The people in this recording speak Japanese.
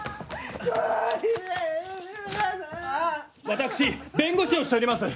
私弁護士をしております。